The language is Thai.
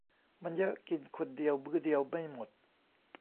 มันเยอะกินคนเดียวมื้อเดียวไม่หมด